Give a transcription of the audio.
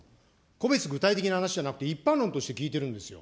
個別具体的な話じゃなくて、一般論として聞いてるんですよ。